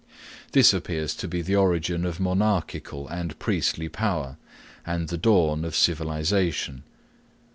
This appears to be the origin of monarchial and priestly power, and the dawn of civilization.